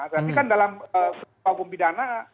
tapi kan dalam hukum pidana